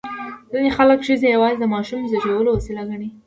ځینې خلک ښځې یوازې د ماشوم زېږولو وسیله ګڼي.